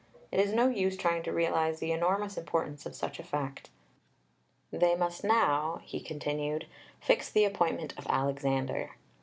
It is no use trying to realize the enormous importance of such a fact." They must now, he continued, "fix the appointment of Alexander."